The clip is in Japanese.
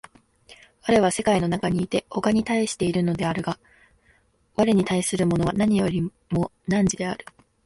我は世界の中にいて他に対しているのであるが、我に対するものは何よりも汝である。